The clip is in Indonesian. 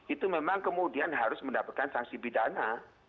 itu memang kemudian harus mendapatkan sanksi pidana